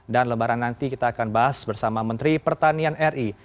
dan lebaran nanti kita akan bahas bersama menteri pertanian ri